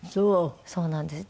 そうなんです。